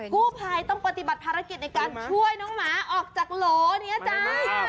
กู้ภัยต้องปฏิบัติภารกิจในการช่วยน้องหมาออกจากโหลนี้จ้า